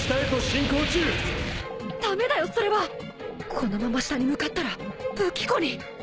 このまま下に向かったら武器庫に！